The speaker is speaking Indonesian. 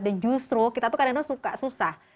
dan justru kita kadang suka susah